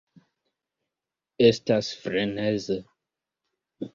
Estas freneze.